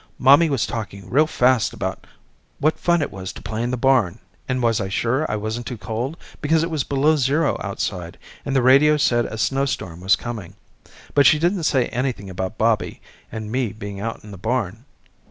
Mommy was talking real fast about what fun it was to play in the barn and was I sure I wasn't too cold because it was below zero outside and the radio said a snowstorm was coming, but she didn't say anything about Bobby and me being out in the barn.